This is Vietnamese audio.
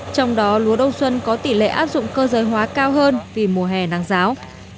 trong đó lúa đông xuân có tỷ lệ áp dụng cơ giới hóa cao hơn vì mùa hè nắng giáo